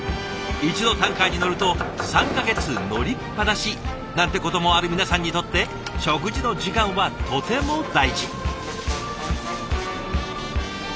一度タンカーに乗ると３か月乗りっぱなしなんてこともある皆さんにとって食事の時間はとても大事。